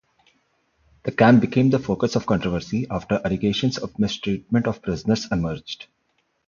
The camp became the focus of controversy after allegations of mistreatment of prisoners emerged.